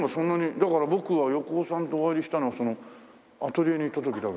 だから僕は横尾さんとお会いしたのはそのアトリエに行った時だけ。